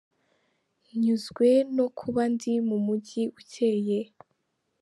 Nyuzwe no kuba ndi mu mujyi ucyeye.